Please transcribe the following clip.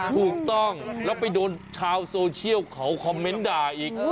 ถูกต้องแล้วไปโดนชาวโซเชียลเขาคอมเมนต์ด่าอีก